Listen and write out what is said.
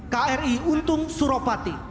kri untung suropati